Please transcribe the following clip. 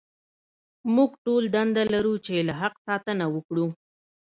موږ ټول دنده لرو چې له حق ساتنه وکړو.